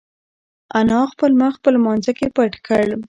انا خپل مخ په لمانځه کې پټ کړ.